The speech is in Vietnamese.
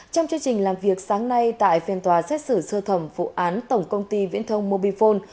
trong chương trình làm việc sáng nay tại phiên tòa xét xử sơ thẩm vụ án tổng công ty viễn thông mobifone